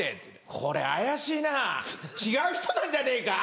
これ怪しいな違う人なんじゃねえか？